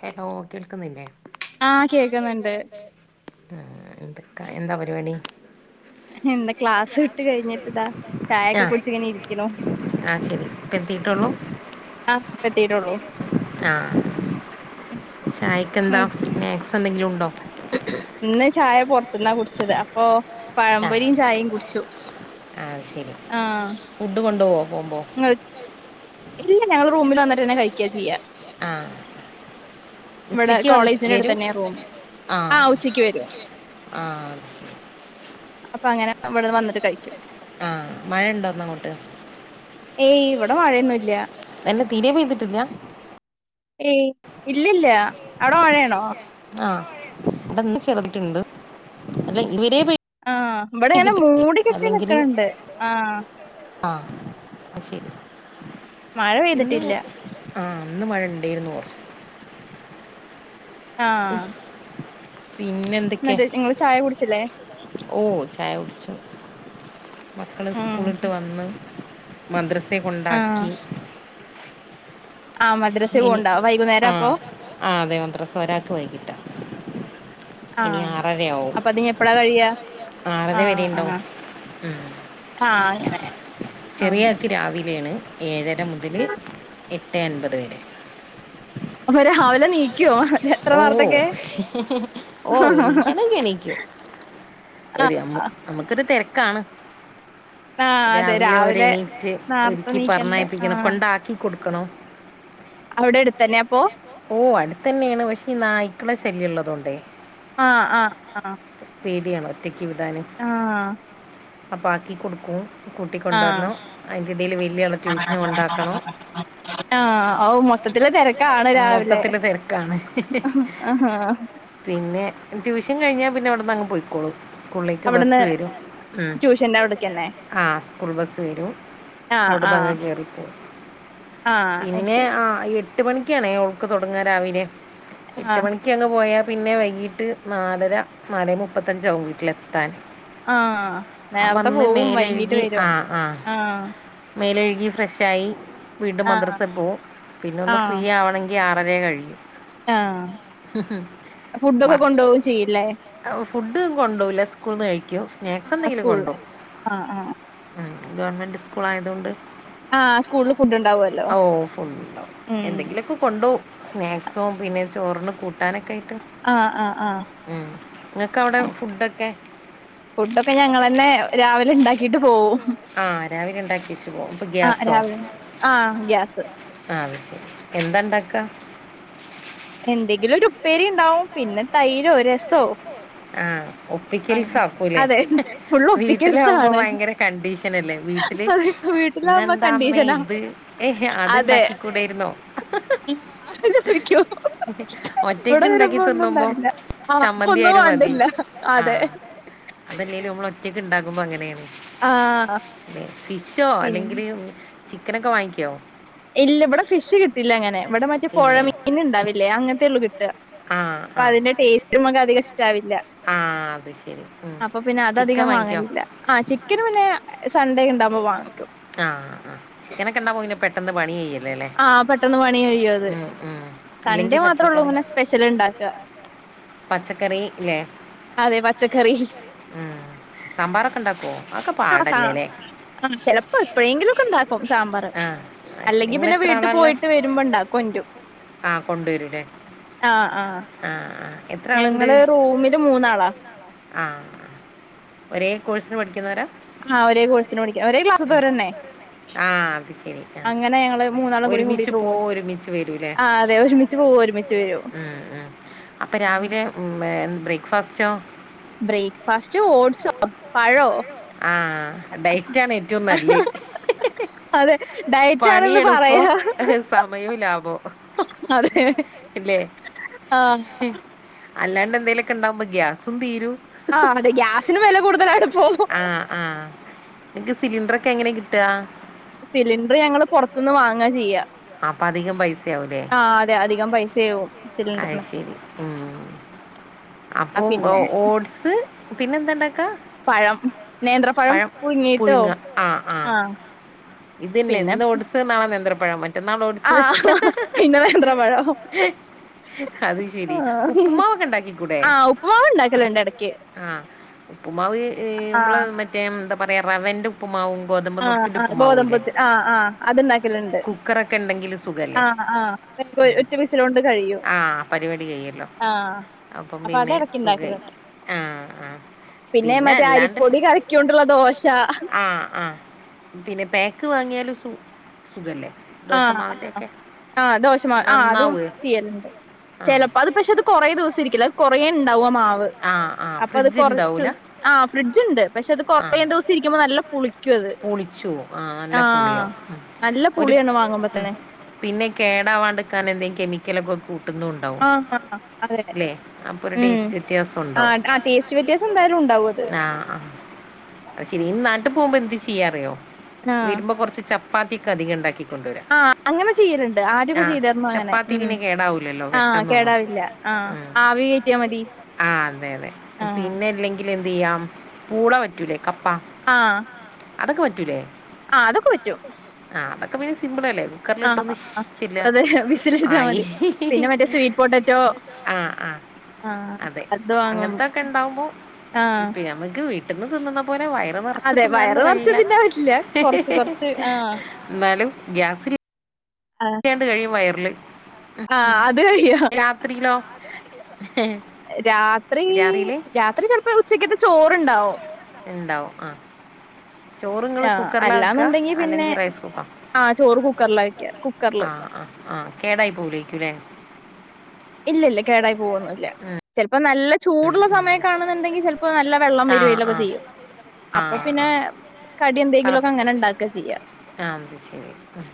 Hello കേൾക്കുന്നില്ലേ? ആ ആഹ്‌ കേക്കുന്നുണ്ട്. കേക്ക്ന്ന്ണ്ട് ആഹ്‌ എന്താ ക്കാ എന്താ പരുപാടി എന്താ ക്ലാസ് വിട്ട് കഴിഞ്ഞിട്ട് ഇതാ ചായ ആ ഒക്കെ കുടിച്ച് ഇങ്ങനെ ഇരിക്കണു ആ ശരി ഇപ്പം എത്തിയിട്ടുള്ളൂ ആഹ് ഇപ്പൊ എത്തീട്ടേള്ളൂ ആ ചായക്ക് എന്താ സ്നാക്സ് എന്തെങ്കിലും ഉ ണ്ടോ ഇന്ന് ചായ പൊറ ത്ത്‌ന്നാ കുടിച്ചത് അപ്പോ പഴംപൊരിയും ചായയും കുടിച്ചു ആത് ശരി ആ ഫുഡ് കൊണ്ടോവോ പോമ്പോ ഇങ്ങള് ഇല്ല ഞങ്ങൾ റൂമിൽ വന്നിട്ടന്നെ കഴിക്കചെയ്യാ ആഹ് ഇവിടെ ഉച്ചക്ക് വ കോളേജിന്റെ വരൂ അടുത്തന്നെയാ റൂമ്. ആ ആഹ് ഉച്ചയ്ക്ക് ഉച്ചക്ക് വരും ആഹ് അത്ശെ അപ്പോ അങ്ങനെ ഇവിടുന്ന് വന്നിട്ട് കഴിക്കും ആഹ് മഴണ്ടോർന്ന് അങ്ങോട്ട് ഏയ് ഇവിടെ മഴയൊന്നുല്ല. [unintelligible] അല്ല തീരേ പെയ്തിട്ടില്ല ഏയ് ഇല്ലിൽ - ല്ല അവിട മഴയാണോ ആഹ് ഇവിടെ ഇന്ന് ചെറുതായിട്ടിണ്ട് അല്ല ഇവരെ ആഹ് ഇവിടെങ്ങനെ പെയ്തിട്ടില്ല മൂടി കെട്ടി നിക്കണ് ണ്ട് ആഹ് ആഹ് ശെരി മഴ പെയ്തിട്ടില്ല ആ ഇന്ന് മഴ ണ്ടെയിരുന്നു കൊറച്ച്. ആഹ് പിന്നെ എന്തൊക്കെ ഇന്നെന്തേ ഇങ്ങള് ചായ കുടിച്ചിലേ? ഓ ചായ കുടിച്ചു. മക്കള് ഉം സ്കൂള്ട്ട് വന്ന് മദ്രസ് ത്തേ ആഹ് കൊണ്ടാക്കി. ആഹ് മദ്രസേ ഇനി പോവ്ണ്ടോ വൈകുന്നേരം അപ്പൊ ആഹ് ആഹ് അതെ മദ്രസ ഒരാക്ക്‌ വൈകിട്ടാ. ഇനി ആഹ് ആറരയാവും അപ്പൊ അതിനി എപ്പഴാ കഴിയാ ആറര ആഹ് വരെണ്ടാവും. ആഹ് ഉം, ആഹ് അങ്ങനെ ആഹ് ചെറിയാക്ക്‌ രാവിലേണ്. ഏഴര മുതല് എട്ടേ അൻപത് വരെ. അപ്പൊ രാവിലെ നീക്കുവോ എത്ര ഓ നേർത്തൊക്കെ ഓ എണിക്കാനൊക്കെണിക്കും ഒരു മ്മ ആഹ് നമ്മക്കൊരു തെരക്കാണ്. ആഹ് അതെ രാവിലെ ഒരെണീറ്റ് നേർത്തെ ഒരുക്കി നീക്കണ്ടേ പറഞ്ഞയപ്പിക്കണം ആഹ് കൊണ്ടാക്കിക്കൊടു ക്കണോ? അവിടെ അടുത്തന്നെയാ പ്പൊ? ഓ അടുത്തന്നെയാണ് പഷെ ഈ നായ്ക്കള ശല്യള്ളതൊണ്ടേ. ആ ആ ആ പേടിയാണ് ഒറ്റക്ക് ക്ക് വിടാനെ. അപ്പ ആക്കി കൊടുക്കും. ആ കൂട്ടിക്കൊണ്ടുവരണം അതിൻ്റെ ഇടയിൽ വലിയ ആളെ ട്യൂഷന് കൊണ്ടാക്കണോ ആ ഔ മൊത്തം മൊത്തത്തിൽ തിരക്കാ ക്കാണ് രാവിലെ മൊത്തത്തിൽ തിരക്കാണ് ആ പിന്നെ ട്യൂഷൻ കഴിഞ്ഞാ പിന്നെ അവിടന്നങ്ങ് പോയിക്കോളും. സ്കൂളിലേക്ക് അവിടുന്ന് ബസ്സ് വരും ട്യൂഷന്റെ അവിടേക്കന്നെ ആ സ്കൂൾ ബസ്സ് വരും ആഹ് ആഹ് അവിടുന്നങ്ങ് കേറിപ്പോവും. ആഹ് പിന്നെ അയ്ശരി ആ എ എട്ട് മണിക്കാണേ ഓൾക്ക് തൊടങ്ങാ രാവിലെ. എട്ട് ആഹ് മണിക്കങ്ങ് പോയാ പിന്നെ വൈകീട്ട് നാലര നാലേ മുപ്പത്തഞ്ചാവും വീട്ടിലെത്താന്. ആ നേറത്തെ പോവും വൈകീട്ട് മേലഴുകി വരും ആ ആ മേലഴുകി ഫ്രഷായി വീണ്ടും ആഹ്. മദ്രസൽ പോവും പിന്നെ ഒന്ന് ഫ്രീ ആവണെങ്കിൽ ആറരേ കഴിയും. ആ ഫുഡൊക്കെ വർക്ക് കൊണ്ടോവും ചെയ്യല്ലേ? ഫുഡ് കൊണ്ടോകുല സ്കൂളന്ന് കഴിക്കോ സ്നാക്സ് ആഹ് എന്തെങ്കിലും സ്കൂളില്. കൊണ്ടോ ആഹ് ആഹ്. ഉ ഗവൺമെന്റ് സ്കൂൾ ആയതുകൊണ്ട് ആ സ്കൂളിൽ ഫുഡ് ഉണ്ടാവുമല്ലോ ഉം സ്നാക്സോ പിന്നെ ചോറിന് കൂട്ടാനൊക്കെ ആയിട്ട് ആ ആ ആ ഒക്ക അവിടെ ഫുഡക്കെ ക്കെ ഫുഡൊക്കെ ഞങ്ങ തന്നെ രാവിലെ ഉണ്ടാക്കിട്ട് പോവും ആ രാവിലെ ഉണ്ടാക്കി വച്ചു പോ ഇപ്പൊ ആഹ് ഗ്യാസോ രാവിലെ ആഹ് ഗ്യാസ്. ആ എന്തണ്ടാക്ക എന്തെങ്കിലും ഒരു ഉപ്പേരി ഉണ്ടാവും പിന്നെ തൈരോ രസോ ആ അങ്ങ ഒപ്പിക്കൽസ് ആക്കൂലേ അതെ ഫുള്ള് വീട്ടിലാകുമ്പോ ഒപ്പിക്കൽസാണ്. ഭയങ്കര കണ്ടീഷൻ അല്ലേ വീട്ടില് അതെ വീട്ടിലാവുമ്പോ ഇന്നെന്താമ്മേ കണ്ടീഷനാ. ഇത് അത്ണ്ടാക്കിക്കൂടായിരുന്നോ ആഹ പോയിക്കോ ഒറ്റക്ക് ഉണ്ടാക്കി തിന്നുമ്പോ ഉണ്ടാവില്ല ആ അപ്പൊ ചമ്മന്തി ഒന്നും ആലും മതി വേണ്ടില്ല ആ അതെ അതല്ലെലും നമ്മൾ ഒറ്റക്ക് ഉണ്ടാക്കു മുൻപ് അങ്ങനെയാണ് ആ ഫിഷോ പിന്നെ അല്ലെങ്കില് ചിക്കനൊക്കെ വാങ്ങിക്യോ ഇല്ല ഇവിടെ ഫിഷ് കിട്ടില്ല അങ്ങനെ ഇവിടെ മറ്റെ ഇല്ലല്ലേ പൊഴമീന ഉണ്ടാവില്ലേ അങ്ങനെ [unintelligible] ആ അപ്പൊ ആ അതിന്റെ ടേസ്റ്റ്മ്മക്ക് അധികം ഇഷ്ടാവില്ല ആ അത് ശരി ഉം. അപ്പൊ പിന്നെ ചിക്കൻ അതധികം വാങ്ങിക്കോ വാങ്ങണില്ല ആ ചിക്കൻ പിന്നെ സൺഡേ ഉണ്ടാവുമ്പോ വാങ്ങിക്കും ആഹ് ഇങ്ങാനെക്കെണ്ടാ പിന്നെ പെട്ടെന്ന് പണി ചെയ്യാം ആ പെട്ടന്ന് പണി കഴിയുവ അത് സൺഡേ ഇല്ലെങ്കിൽ മാത്രേ ഉള്ളൂ പച്ചക്കറി ഇങ്ങനെ സ്പെഷ്യൽ ഉണ്ടാക്ക പച്ചക്കറി ഇല്ലേ അതെ പച്ചക്കറി ഉം. സാമ്പാറൊക്കെ ഉണ്ടാക്കുമോ അതൊക്കെ പാടല്ലേ [unintelligible] അല്ലേ ചിലപ്പോ എപ്പോഴെങ്കിലും ഒക്കെ ഉണ്ടാക്കും സാമ്പാർ ആ ആ, ശരി അല്ലെങ്കിൽ നിങ്ങൾ പിന്നെ എത്ര വീട്ടു ആളാണുള്ളത് പോയിട്ട് വരുമ്പോണ്ടാ കൊചും ആ കൊണ്ടുവരും അല്ലേ ആ ആ ആ. എത്ര ആളുണ്ട് ഞങ്ങള് റൂമില് മൂന്നാളാ ആ ഒരേ കോഴ്സിന് പഠിക്കുന്നവരാ ആ ഒരേ കോഴ്സിന് പാടിക്കണ ഒരേ ക്ലാസ്രന്നെ ആ അത് ശരി ആ അങ്ങനെ ഞങ്ങള് മൂന്നാളും കൂടിയും ഒരുമിച്ച് കൂടിട്ട് റൂ പോ എടു ഒരുമിച്ച് വരൂ അല്ലേ ആ അതെ ഒരുമിച്ച് പോവൂ ഒരുമിച്ച് വരും അപ്പം രാവിലെ ബ്രേക്ക്ഫാസ്റ്റോ ബ്രേക്ക്ഫാസ്റ്റ് ഓട്സോ പഴോ ആ ഡൈറ്റാണ് ഏറ്റൊം നല്ലെ ഡയറ്റാണെന്ന് പറയാ സമയവും ലാഭമോ അതെ ഇല്ലേ ആ ആല്ലാ അല്ലാണ്ട് എന്തേലൊക്കെണ്ടാവുമ്പൊ ഗ്യാസും തീരൂം ആഹ് അതെ ഗ്യാസിന് വെല കൂടു ആ ആ നിൻക്ക് സിലിണ്ടറൊക്കെ എങ്ങനെ കിട്ടാ സിലിണ്ടർ ഞങ്ങള് പൊർത്ത്ന്ന് വാങ്ങാ ചെയ്യാ അപ്പം അധികം പൈസയാവൂലെ സയാവും അയ് ശെരി ഉം ആ അപ്പം പിന്നെ ഓട്സ് പിന്നെ എന്തണ്ടാക്കാ പഴം നേന്ത്രപ്പഴം പുഴ്ങ്ങീട്ടോ ആ ഇതന്നെ ഇന്ന് ഓട്സ് നാളെ നേന്ത്രപ്പഴം മ ആ പിന്നെ നേന്ത്രപഴം അത് ആ ശരി ഉപ്പുമാവൊക്കെ ഉണ്ടാക്കിക്കൂടെ ആ ഉപ്പ്മാവ്ണ്ടാക്കല്ണ്ട് എടക്ക് ഉപ്പ്മാവ് നമ്മള് മറ്റേ എന്താ പറയാ റവൻ്റെ ഉപ്പ്മാവും ഗോതമ്പ്നുർക്കിൻ്റെ ഉ ഗോതമ്പത്ത് ആ ആ അത്ണ്ടാക്കല്ണ്ട് കുക്കറൊക്കെ ഉണ്ടെങ്കിൽ സുഖല്ലേ ആഹ് ആ ഒറ്റ വിസിലോണ്ട് കഴിയും. ആ പരിപാടി കഴിയല്ലോ ആഹ് അപ്പം അപ്പൊ പിന്നെ അതെടക്ക് സുഖമായി ഇണ്ടാക്കല്ണ്ട് ആ ആ പിന്നെ മറ്റേ അരിപ്പൊടി കലക്യോണ്ട്ള്ള ദോശ ആ ആ പിന്നെ പേക്ക് വാങ്ങിയാലും സു സുഖല്ലേ ആ ആ ആ ദോശമാ ആ അതും നന്നാവുമേ ചെയ്യല്ണ്ട്. ആ ചെലപ്പോ അത് പക്ഷെ അത് കൊറേ ദിവസ ഇരിക്കില്ല. അത് കൊ റെണ്ടാവമ്മും മാവ്. ആ ആ അപ്പത് ഫ്രിഡ്ജ് കൊറച്ച്. ഉണ്ടാവില്ല ആ ഫ്രിഡ്ജ്ണ്ട് പക്ഷെ അത് കൊറേം ദിവസം ഇരിക്കുമ്പൊ നല്ല പുളി പുളിചോവും. ആ നല്ല പുളിയാവും ഉം നല്ല ഒര് പുളിയാണ് വാങ്ങുമ്പോ ഉം തന്നെ പിന്നെ കേടാവാണ്ട്ക്കാന് എന്തെം കെമിക്കലൊക്കെ കൂ ട്ടുന്നുണ്ടാവും ആഹ് അതെ ലെ അപ്പോ ഒരു ഉം ടേസ്റ്റ് വ്യത്യാസം ഇണ്ടാവും. ആഹ് ആ ടേസ്റ്റ് വ്യത്യാസം എന്തായാലും ഉണ്ടാവും അത്. ആ ആ അത് ശെരി ഇ ത്തും പോവുമ്പോ എന്ത് ഈസി പി ഏ അറിയോ? വരുമ്പോ കുറച്ച് ചപ്പ് ചപ്പാത്തിക്ക് അധികം ഉണ്ടാക്കി കൊണ്ടുവരാം ആഹ അങ്ങനെ ചെയ്യലുണ്ട്. ആ ആദ്യക്കെ ചെയ്തിരുന്നു അങ്ങനെ ചപ്പാത്തി ഉം പിന്നെ കേടാവില്ലല്ലോ ആ പെട്ടെന്നൊന്നും കേടാവില്ല ആ ഉം. ആവി കയറ്റിയാ മതി ആ അതെ അതെ ആ പിന്നെ ഇല്ലെങ്കിൽ എന്ത് ചെയ്യാം. പൂള പറ്റൂലെ കപ്പ ങാ അതൊക്കെ പറ്റൂലേ ആ അതൊക്കെ പറ്റും. ആ അതൊെക്കെ പിന്നെ സിമ്പിൾ അല്ലേ. കുക്കറിലിട്ട് ആഹ് ഒന്ന് ശ് ആഹ് ചെല്ലുക. അതെ വിസിലടിച്ചാ ആയി. മതി ഹി ഹി പിന്നെ മറ്റേ സ്വീറ്റ് പൊട്ടറ്റോ ആഹ് അതെ അത് വാങ്ങും അങ്ങനത്തൊക്കെ ഇണ്ടാവുമ്പോ ആഹ് നമ്മക്ക് വീട്ടി എന്നും തിന്നണം പോലെ വയർ നെറച്ച് അതെ വയറ് തിന്നാനൊന്നും കഴിയി നിറച്ച് തിന്നാൻ പറ്റില്ല കൊറച്ച് കൊറച്ച് ആഹ് ഇന്നാലും ഗ്യാസ് [unintelligible] ണ്ട് കഴിയും വയറ്. ല് ആഹ് അത് കഴിയോ രാത്രി രാത്രിയിൽ രാത്രി ചെലപ്പോ ഉച്ചക്കത്തെ ചോ റ്ണ്ടാവും. ഇണ്ടാവും ആഹ് ആഹ് അല്ലാന്ന്ണ്ടെങ്കി പിന്നെ അല്ലെങ്കിൽ റൈസ് കുക്കർ ആ ചോറ് കുക്കറിലാ വെയ്ക്ക കുക്കർല് ആ ആ ആ കേടായി പോവൂലേക്കുലേ. ഇല്ലല്ല കേടായി പോവൊന്നില്ല. ചിലപ്പോ നല്ല ഉം, ചൂടുള്ള ഉം. സമയം ഒക്കെ ആണെന്നുണ്ടെങ്കിൽ ചെൽ പ്പ നല്ല വെള്ളം ആ വരുവേലൊക്കെ ആ ചെയ്യും. ആ അപ്പൊ ആ പിന്നെ കടി തള എന്തെങ്കിലു ഒക്കെ അങ്ങനെ ഉണ്ടാക്ക ചെയ്യാ. ആ അത് ശരി ഉം.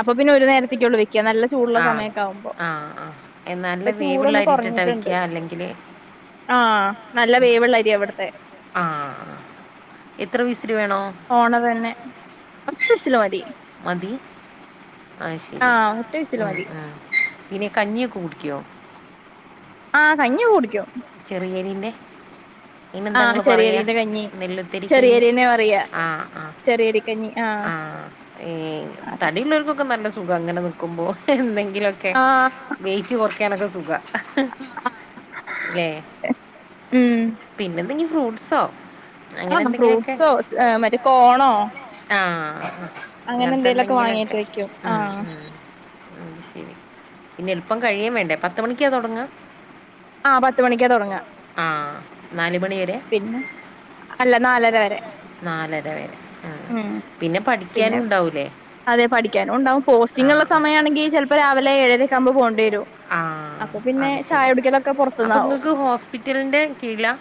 അപ്പൊ പിന്നെ ഒരു നേര ത്ത്ക്ക്യൊള്ളൂ വെക്ക്യാ നല്ല ചൂടുള്ള സമയൊക്കെ ആകുമ്പോ അയ്ന് നല്ല വേവ്ള്ള അരിട്ടിട്ടാ വെക്ക്യാ അല്ലെങ്കില് ആഹ് നല്ല വേവ്ള്ള അരിയാ ഇവട്ത്തെ ആഹ് എത്ര വിസില് വേണോ? ഓണർ തന്നെ ഒറ്റ വിസിലു മതി. മതി അഹ്ശരി ആഹ് ഒറ്റ വിസില് ഉം മതി ഉം ഇനി കഞ്ഞി ഒക്കെ കുടിക്ക്യോ? ആഹ് കഞ്ഞിയൊക്കെ കുടിക്കും. ചെറിയരിന്റെ ആഹ് ചെറിയരിന്റെ കഞ്ഞി കഞ്ഞി ചെറിയര്യന്നെ പറയാ ചെറിയരികഞ്ഞി. ആഹ് ഏഹ് തടിള്ളോൽകും ക്കും നല്ല സുഖാ ഇങ്ങനെ നിക്കുമ്പോ എന്ത ങ്കിലൊക്കെ വെയ്റ്റ് കൊർ എനക്ക് സുഖാ ആഹ് ആഹ് ഏഹ് ഉം പിന്നെന്തെങ്കിലും ഫ്രൂട്ട്സൊ അങ്ങനെ ആഹ് എന്തെങ്കിലൊക്കെ ഫ്രൂട്ട്സോ മറ്റേ കോണോ ആഹ് അങ്ങനെ അങ്ങനത്തെ എന്തേലൊക്കെ വാങ്ങീട്ട് എന്തെങ്കിലൊക്കെ വെക്കും ഉം ആഹ് ഉം അത് ശെരി പിന്നെ എളുപ്പം കഴിയേം വേണ്ടേ പത്ത് മണിക്കാ തുടങ്ങാ ആ പത്ത് മണിക്കാ തുടങ്ങ നാല് മണി വരെ അല്ല നാലര വരെ നാലര വരെ ഉം. ഉ പിന്നെ പിന്നെ പഠിക്കാനും ഉണ്ടാവൂലേ അതെ പഠിക്കാനും ഉണ്ടാവും ആ പോസ്റ്റിംഗ്ള്ള സമയാണെങ്കി ചിലപ്പോ രാവിലെ ഏഴരക്കാമ്പ പോണ്ടേ ആ അത് ശെരി അപ്പൊ പൊറത്തുന്നാവും നിങ്ങൾക്ക് ഹോസ്പിറ്റലിന്റെ കീഴ്ലാ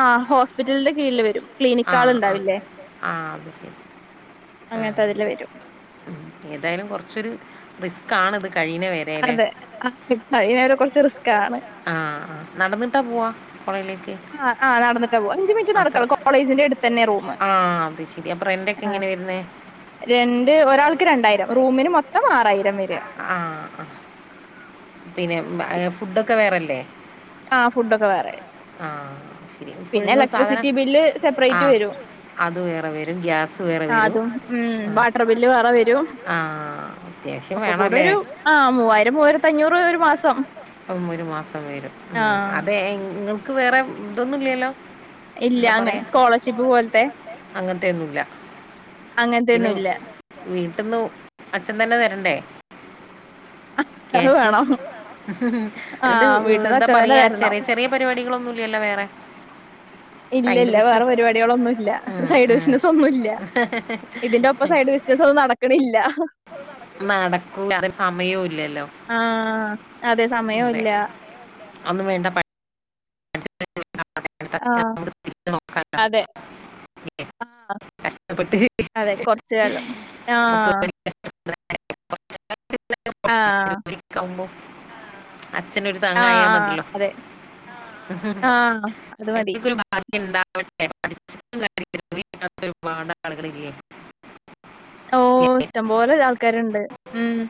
ആ ഹോസ്പിറ്റലിന്റെ കീഴില് വരും ആ ക്ലിനിക്കാള് ആ ഇണ്ടാവില്ലേ ആ അത് ശരി ആ അങ്ങനത്തെ അതില് വരും ഏതായാലും കുറച്ചൊരു റിസ് കാണത് അതെ ആ ഏറെ കുറച്ച് റിസ്ക് ക്കാണ് ആ നടന്നിട്ടാ പോവാ ആ ആഹ് നടന്നിട്ടാ പോവാ അഞ്ച് മിനിറ്റ് അത്ര നടക്കണം കോളേജിന്റെ അടുത്തെന്നാ റൂമ് ആ അത് ശരി അപ്പോൾ റെൻ്റൊക്കെ ആ എങ്ങനെ വരുന്നത് രണ്ട് ഒരാൾക്ക് രണ്ടായിരം റൂമിന് മൊത്തം ആറായിരം വരും ആ ആ പിന്നെ ഫുഡൊക്കെ വേറെല്ലേ ആ ഫുഡൊക്കെ വേറെയാ ശരി ഫുൾ പിന്നെ നിങ്ങൾ സാധനം ഇലക്ട്രിസിറ്റി ബില്ല് ആ സെപ്പറേറ്റ് വരും അത് വേറെ വരും ഗ്യാസ് വേറെ വരും അതും ഉ ആ വാട്ടർ ബില്ല് വേറെ വരും ആ അത്യാവശ്യം ഒക്കെ കൂടെ വേണമല്ലേ ഒരു ആ മൂവായിരം മൂവായിര ത്തഞ്ഞൂറ് ഒരു മാസം അപ്പം ഒരു മാസം വരും ആ ഉം അതെങ്ങ നമുക്ക് വേറെ ഇതൊന്നുല്ലാല്ലോ ഇല്ല എന്താ അങ്ങ പറയാ സ്കോളർഷിപ്പ് പോലത്തെ അങ്ങത്തെന്നുല്ല അങ്ങനത്തെ പിന്നെ ഒന്നും ഇല്ല വീട്ടിന്ന് അച്ഛൻ തന്നെ തരണ്ടേ അത് കേശ വേണം ആ എന്നിട്ട് വീട്ടിൽ നിന്ന് എന്താ അച്ഛൻ തന്നെ പറയാ തരണം ചെറിയ ചെറിയ പരിപാടികളൊന്നുംല്ലല്ലോ വേറെ ഇല്ല സൈഡ് ഇല്ല വേറെ ബിസിനസ് പരിപാടികളൊന്നുല്ല സൈഡ് ബിസിനസന്നുല്ല ഇതിന്റെ ഒപ്പം സൈഡ് ബിസിനസൊന്നും നടക്കണില്ല നടക്കൂല്ലഅത്ര സമയവും ഇല്ലല്ലോ ആ അതെ സമയവും അതെ ഇല്ല അന്നും വേണ്ട പഠി ആ തിരിഞ്ഞ് നോക്കാലോ അതെ ഇല്ലേ? ആ കഷ്ടപ്പെട്ട് അതെ കൊറച്ച് കാലം ആ നമുക്ക് ആ നമ്പോ അച്ഛനൊരു ആ താങ്ങയാ ആ മതില്ലോ അതെ ആ അത് മതി എനക്കൊ ഒരു ഭാഗ്യം ഇണ്ടാ [unintelligible] ഓ ഇഷ്ടംപോലെ ആൾക്കാരുണ്ട് ഉം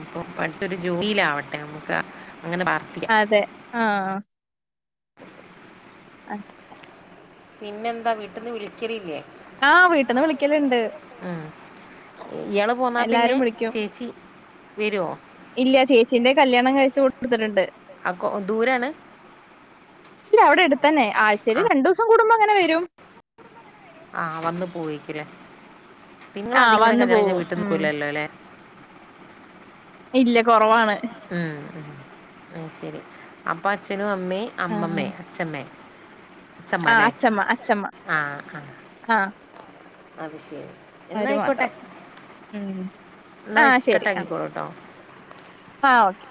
അപ്പൊ പഠിച്ചൊരു ജോലിയിലാവട്ടെ നമുക്ക് അങ്ങനെ പ്രാർത്ഥിക്കാം അതെ ആ അ പിന്നെ എന്താ വീട്ടീന്ന് വിളിക്കലില്ലേ ആ വീട്ടിന്ന് വിളിക്കലുണ്ട് ഉം. എല്ലാരും വിളിക്കും വരോ ഇല്ല ചേച്ചീന്റെ കല്യാണം കഴിച്ച കൂടുതലുണ്ട് അക്കോ ദൂരാണ് ഇല്ല അവിടെ എടുത്തന്നെ ആഴ് ശരി ആ രണ്ടു ദിവസം കൂടുമ്പോ അങ്ങനെ വരും ആ വന്ന് പോയിക്കിരേ നിങ്ങള അത് ആഹ് ഇങ്ങനെ വന്നു കല്യാണം കഴിഞ്ഞാ പോവും. വീട്ട് ഉം. നിക്കൂലല്ലോല്ലെ ഇല്ല കുറവാണ് ഉം അ ശരി അപ്പാ ചെ ഞാനും അമ്മേ അമ്മമ്മേ അച്ഛമ്മേ അച്ഛമ്മ ആ അല്ലേ അച്ഛമ്മ അച്ഛമ്മ ആ ആ ആ അത് ശരി ആര് എന്നായിക്കോട്ടെ മാത്രം ഉം എന്നാൽ ആ ശരി അ കട്ടാക്കിക്കോളൂ കേട്ടോ ആ ഓക്കെ